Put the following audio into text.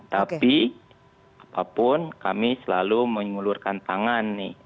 tapi apapun kami selalu menyulurkan tangan nih